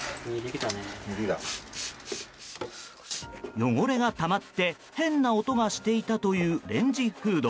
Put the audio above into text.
汚れがたまって変な音がしていたというレンジフード。